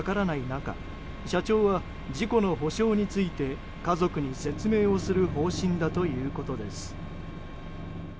中社長は、事故の補償について家族に説明をする方針だということです。